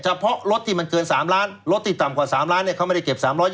เฉพาะรถที่มันเกิน๓ล้านรถที่ต่ำกว่า๓ล้านเขาไม่ได้เก็บ๓๒๐